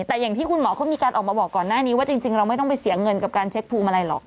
แต่อย่างที่คุณหมอเขามีการออกมาบอกก่อนหน้านี้ว่าจริงเราไม่ต้องไปเสียเงินกับการเช็คภูมิอะไรหรอก